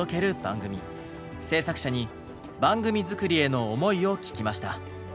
制作者に番組作りへの思いを聞きました。